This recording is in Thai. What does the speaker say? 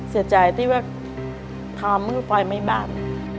เสียใจที่ว่าทำมือไฟไม่บ้าน